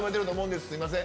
すいません。